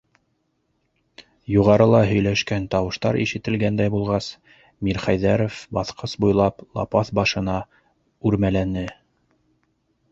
Юғарыла һөйләшкән тауыштар ишетелгәндәй булғас, Мирхәйҙәров баҫҡыс буйлап лапаҫ башына үрмәләне.